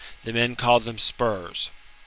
The men called them "spurs." 74.